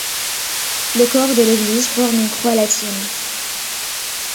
Le corps de l'église forme une croix latine.